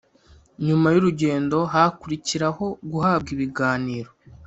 nyuma y ‘urugendo hakurikiraho guhabwa ibiganiro.